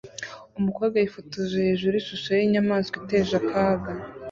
Umukobwa yifotoje hejuru yishusho yinyamaswa iteje akaga